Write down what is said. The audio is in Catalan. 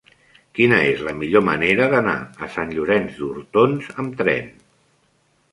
Quina és la millor manera d'anar a Sant Llorenç d'Hortons amb tren?